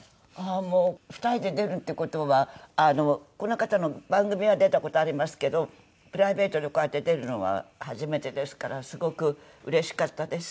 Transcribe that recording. もう２人で出るって事はこの方の番組は出た事ありますけどプライベートでこうやって出るのは初めてですからすごくうれしかったです。